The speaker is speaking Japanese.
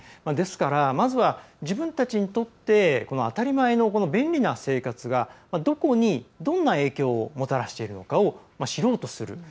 ですから、まずは自分たちにとって当たり前の便利な生活がどこに、どんな影響をもたらしているのかを知ろうとする。